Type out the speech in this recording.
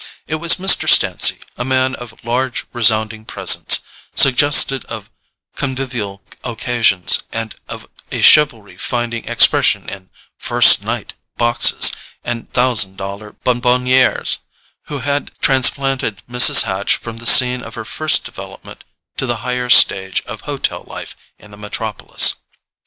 It was Mr. Stancy, a man of large resounding presence, suggestive of convivial occasions and of a chivalry finding expression in "first night" boxes and thousand dollar bonbonnieres, who had transplanted Mrs. Hatch from the scene of her first development to the higher stage of hotel life in the metropolis.